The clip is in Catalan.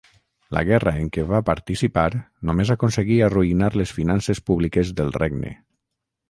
La guerra en què va participar només aconseguí arruïnar les finances públiques del regne.